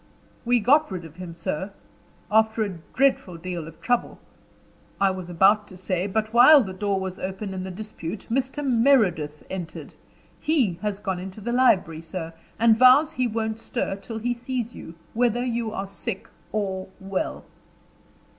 "We got rid of him, sir, after a dreadful deal of trouble, I was about to say, but while the door was open in the dispute, Mr. Meredith entered. He has gone into the library, sir, and vows he won't stir till he sees you, whether you are sick or well."